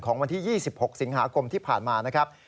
วันที่๒๖สิงหาคมที่ผ่านมานะครับ